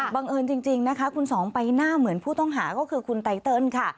เอิญจริงนะคะคุณสองใบหน้าเหมือนผู้ต้องหาก็คือคุณไตเติลค่ะ